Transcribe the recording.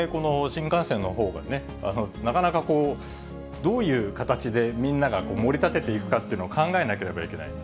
新幹線のほうはね、なかなかどういう形でみんながもり立てていくかというのを考えなければいけない。